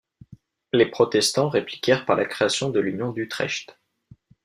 Les protestants répliquèrent par la création de l'Union d'Utrecht.